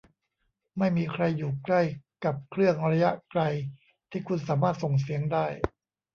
ไม่มีใครอยู่ใกล้กับเครื่องระยะไกลที่คุณสามารถส่งเสียงได้ ?